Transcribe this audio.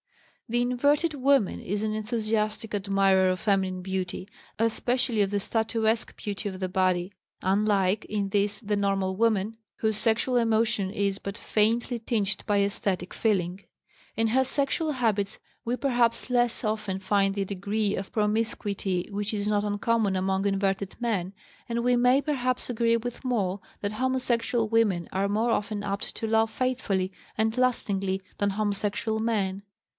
The inverted woman is an enthusiastic admirer of feminine beauty, especially of the statuesque beauty of the body, unlike, in this, the normal woman, whose sexual emotion is but faintly tinged by esthetic feeling. In her sexual habits we perhaps less often find the degree of promiscuity which is not uncommon among inverted men, and we may perhaps agree with Moll that homosexual women are more often apt to love faithfully and lastingly than homosexual men.